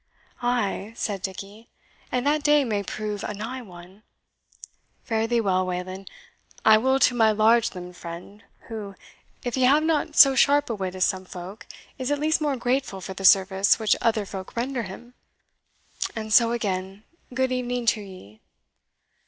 "Ay!" said Dickie; "and that day may prove a nigh one. Fare thee well, Wayland I will to my large limbed friend, who, if he have not so sharp a wit as some folk, is at least more grateful for the service which other folk render him. And so again, good evening to ye."